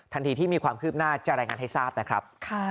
ทันทีที่มีความคืบหน้าจะรายงานให้ทราบนะครับ